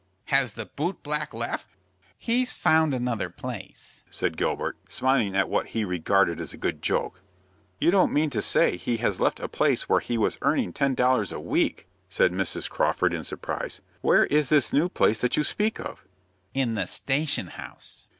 "Has the boot black left?" "He's found another place," said Gilbert, smiling at what he regarded as a good joke. "You don't mean to say he has left a place where he was earning ten dollars a week?" said Mrs. Crawford, in surprise. "Where is this new place that you speak of?" "In the station house."